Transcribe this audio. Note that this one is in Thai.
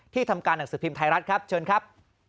ทำการหนังสือพิมพ์ไทยรัฐครับเชิญครับ